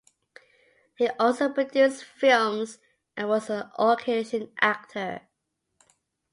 He also produced films and was an occasion actor.